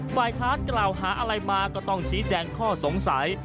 ฝ่ายค้านกล่าวหาอะไรมาก็ต้องชี้แจงข้อสงสัย